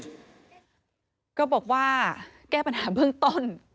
ก็บอกว่าแก้ปัญหาเบื้องต้น